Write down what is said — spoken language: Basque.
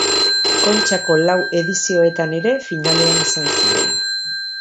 Kontxako lau edizioetan ere finalean izan ziren.